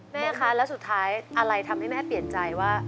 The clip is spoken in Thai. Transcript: แม่คะแล้วสุดท้ายอะไรทำให้แม่เปลี่ยนใจว่า